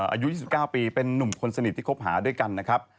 อายุ๒๙ปีเป็นนุ่มคนสนิทที่คบหาด้วยกันนะครับ